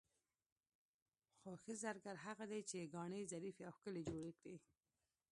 خو ښه زرګر هغه دی چې ګاڼې ظریفې او ښکلې جوړې کړي.